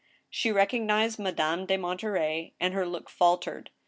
She recognized Madame de Monterey, and her look faltered.